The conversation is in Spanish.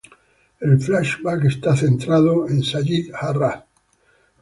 El flashback está centrado en Sayid Jarrah.